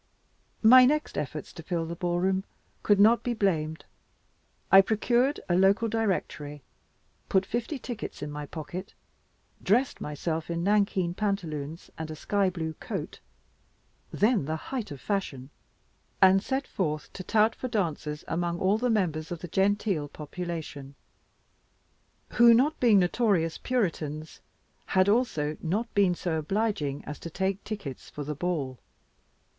My next efforts to fill the ballroom could not be blamed. I procured a local directory, put fifty tickets in my pocket, dressed myself in nankeen pantaloons and a sky blue coat (then the height of fashion), and set forth to tout for dancers among all the members of the genteel population, who, not being notorious Puritans, had also not been so obliging as to take tickets for the ball.